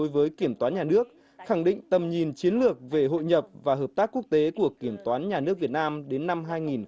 với kiểm toán nhà nước khẳng định tầm nhìn chiến lược về hội nhập và hợp tác quốc tế của kiểm toán nhà nước việt nam đến năm hai nghìn ba mươi